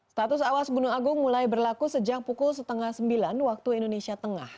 status awas gunung agung mulai berlaku sejak pukul setengah sembilan waktu indonesia tengah